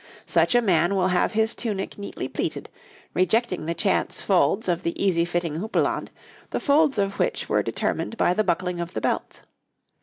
Such a man will have his tunic neatly pleated, rejecting the chance folds of the easy fitting houppelande, the folds of which were determined by the buckling of the belt.